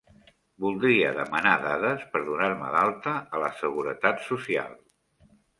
Voldria demanar dades per donar-me d'alta a la seguretat social.